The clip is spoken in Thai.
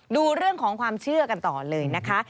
ดูเรื่องของความเชื่อกันต่อเลยนะคะ